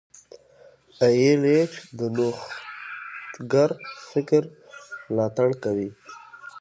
ای ایل ایچ د نوښتګر فکر ملاتړ کوي.